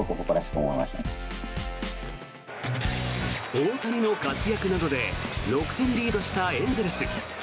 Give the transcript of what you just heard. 大谷の活躍などで６点リードしたエンゼルス。